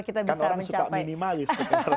karena orang suka minimalis